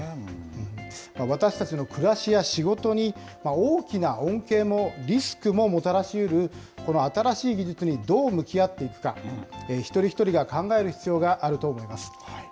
私たちの暮らしや仕事に大きな恩恵もリスクももたらしうる、この新しい技術にどう向き合っていくか、一人一人が考える必要があると思います。